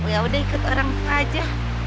ya udah ikut orang tua aja